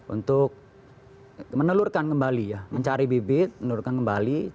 untuk menelurkan kembali ya mencari bibit menelurkan kembali